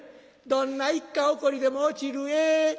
「どんないっか瘧でも落ちるえ」。